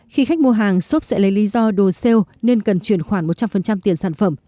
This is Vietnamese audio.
khi khách mua hàng shop sẽ lấy lý do đồ sale nên cần chuyển khoản một trăm linh tiền sản phẩm